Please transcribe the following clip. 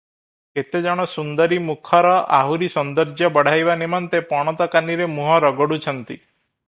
କେତେ ଜଣ ସୁନ୍ଦରୀ ମୁଖର ଆହୁରି ସୌନ୍ଦର୍ଯ୍ୟ ବଢ଼ାଇବା ନିମନ୍ତେ ପଣତକାନିରେ ମୁହଁ ରଗଡୁଛନ୍ତି ।